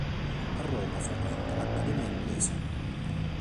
A Roma frequenta l'Accademia inglese.